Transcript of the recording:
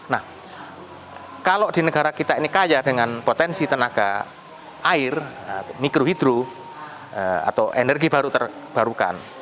nah kalau di negara kita ini kaya dengan potensi tenaga air mikrohidro atau energi baru terbarukan